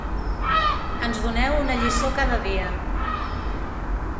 Ens doneu una lliçó cada dia.